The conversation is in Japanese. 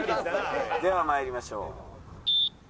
では参りましょう。